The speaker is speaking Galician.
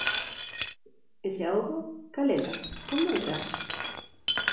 E se a houbo, cal era, como era?